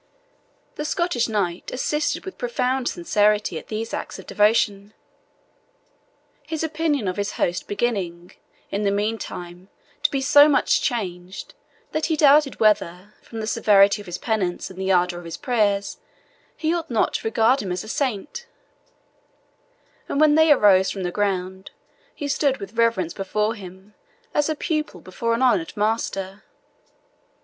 The Scottish knight assisted with profound sincerity at these acts of devotion, his opinion of his host beginning, in the meantime, to be so much changed, that he doubted whether, from the severity of his penance and the ardour of his prayers, he ought not to regard him as a saint; and when they arose from the ground, he stood with reverence before him, as a pupil before an honoured master.